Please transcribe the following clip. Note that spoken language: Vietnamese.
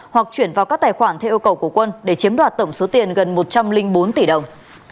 hoặc chuyển vào các tài khoản theo yêu cầu của quân để chiếm đoạt tổng số tiền gần một trăm linh bốn tỷ đồng